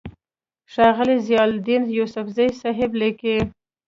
ښاغلے ضياءالدين يوسفزۍ صېب ليکي: